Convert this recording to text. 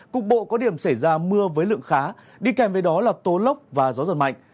cục bộ có điểm xảy ra mưa với lượng khá đi kèm với đó là tố lốc và gió giật mạnh